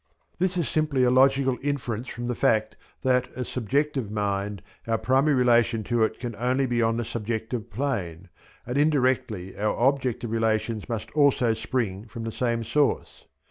This is simply a logical inference from the fact that, as subjective mind, our primary relation to it can only be on the subjective plane, and indirectly our objective relations must also spring from the same source.